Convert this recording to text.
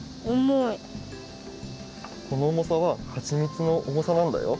このおもさははちみつのおもさなんだよ。